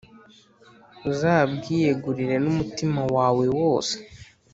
Uzabwiyegurire n’umutima wawe wose,